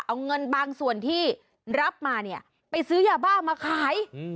เอาเงินบางส่วนที่รับมาเนี่ยไปซื้อยาบ้ามาขาย